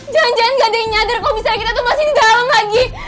jangan jangan gak ada yang nyadar kalo kita masih di dalam lagi